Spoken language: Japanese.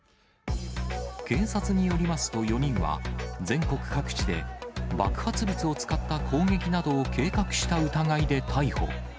警察によりますと、４人は、全国各地で爆発物を使った攻撃などを計画した疑いで逮捕。